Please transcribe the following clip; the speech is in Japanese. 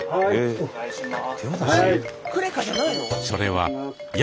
お願いします。